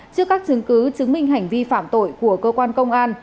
trước các chứng cứ chứng minh hành vi phạm tội của cơ quan công an